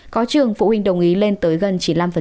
có trường phụ huynh đồng ý lên tới gần chín mươi năm